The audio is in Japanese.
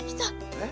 えっ？